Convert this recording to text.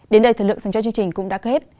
đến đây thời lượng dành cho chương trình cũng đã kết